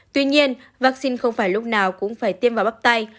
tuy nhiên vaccine không phải lúc nào cũng phải tiêm vào bóc tay